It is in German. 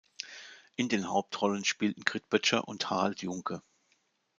In den Hauptrollen spielten Grit Boettcher und Harald Juhnke.